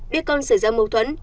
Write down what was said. biết con xảy ra mâu thuẫn